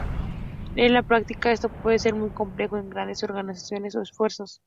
En la práctica, esto puede ser muy complejo en grandes organizaciones o esfuerzos.